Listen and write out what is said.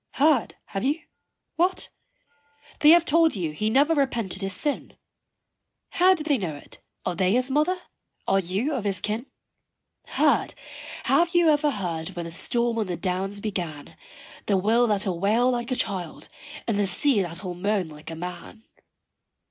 Heard, have you? what? they have told you he never repented his sin. How do they know it? are they his mother? are you of his kin? Heard! have you ever heard, when the storm on the downs began, The wind that 'ill wail like a child and the sea that 'ill moan like a man?